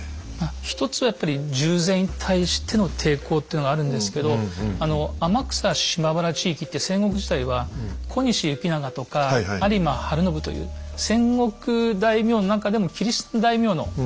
一つはやっぱり重税に対しての抵抗っていうのがあるんですけど天草・島原地域って戦国時代は小西行長とか有馬晴信という戦国大名の中でもキリシタン大名の領地だったんですね。